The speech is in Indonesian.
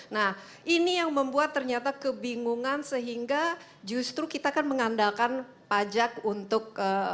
nah ini yang membuat ternyata kebingungan sehingga justru kita kan mengandalkan pajak untuk